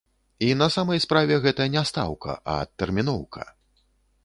І на самай справе гэта не стаўка, а адтэрміноўка.